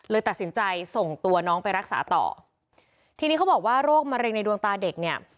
ตัดสินใจส่งตัวน้องไปรักษาต่อทีนี้เขาบอกว่าโรคมะเร็งในดวงตาเด็กเนี่ย